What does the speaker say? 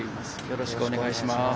よろしくお願いします。